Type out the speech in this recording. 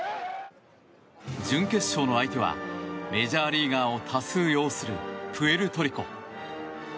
準決勝の相手はメジャーリーガーを多数擁するプエルトリコ。